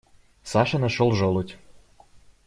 Саша нашел желудь.